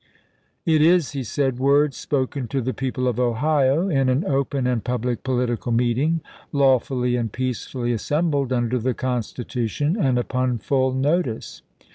"It is," he said, "words spoken to the people of Ohio, in an open and public political meeting, law fully and peacefully assembled under the Constitu tion and upon full notice.